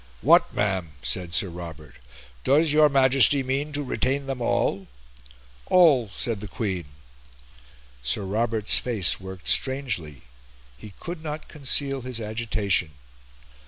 "What, ma'am!" said Sir Robert, "does your Majesty mean to retain them all?" "All," said the Queen. Sir Robert's face worked strangely; he could not conceal his agitation.